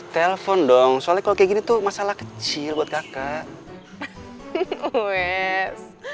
telepon dong soalnya kalau kayak gini tuh masalah kecil buat kakak